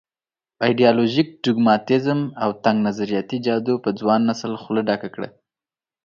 ایډیالوژيک ډوګماتېزم او تنګ نظریاتي جادو په ځوان نسل خوله ډکه کړه.